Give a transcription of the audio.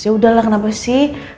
yaudahlah kenapa sih